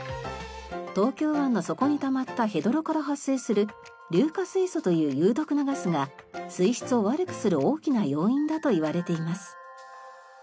東京湾の底にたまったヘドロから発生する硫化水素という有毒なガスが水質を悪くする大きな要因だといわれています。